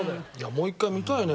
もう一回見たいね